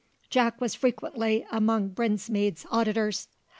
Jack was frequently among Brinsmead's auditors.